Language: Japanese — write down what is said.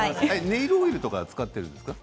ネイルオイルとか使っているんですか？